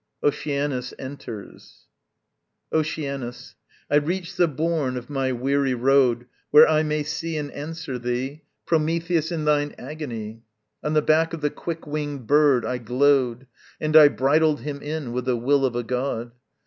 OCEANUS enters. Oceanus. I reach the bourn of my weary road Where I may see and answer thee, Prometheus, in thine agony. On the back of the quick winged bird I glode, And I bridled him in With the will of a god.